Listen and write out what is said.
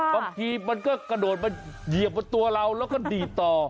บางทีมันก็กระโดดมาเหยียบบนตัวเราแล้วก็ดีดต่อ